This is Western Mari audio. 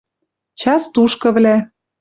ЧАСТУШКЫВЛӒ